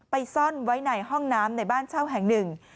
ซ่อนไว้ในห้องน้ำในบ้านเช่าแห่งหนึ่ง